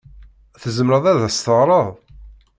Tzemreḍ ad as-teɣreḍ?